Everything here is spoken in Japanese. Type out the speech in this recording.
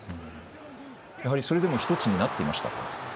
それでも１つになっていましたか？